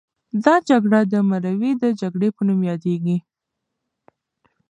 دا جګړه د مروې د جګړې په نوم یادیږي.